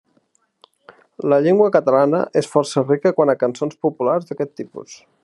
La llengua catalana és força rica quant a cançons populars d'aquest tipus.